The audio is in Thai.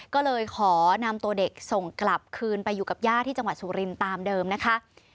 ก็เลยขอนำตัวเด็กส่งกลับคืนไปอยู่กับย่าที่จังหวัดสุรินทร์ตามเดิมนะคะ